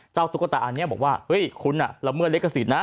เจ้าตุ๊กตาอันนี้บอกว่าเฮ้ยคุณอะรำเมื่อเลขสิทธิ์นะ